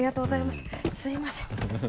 すみません。